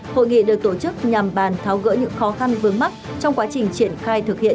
hội nghị được tổ chức nhằm bàn tháo gỡ những khó khăn vướng mắt trong quá trình triển khai thực hiện